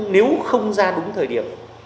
nếu không ra đúng thời điểm